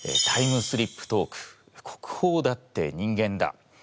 「タイムスリップトーク」「国宝だって人間だ！」